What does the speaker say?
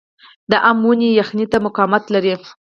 د ام ونې یخنۍ ته مقاومت لري؟